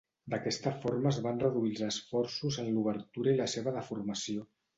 D'aquesta forma es van reduir els esforços en l'obertura i la seva deformació.